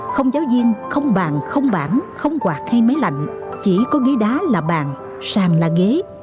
không giáo viên không bàn không bảng không quạt hay máy lạnh chỉ có ghế đá là bàn sàn là ghế